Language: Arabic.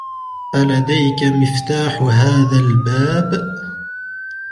ألديك مفتاح هذا الباب؟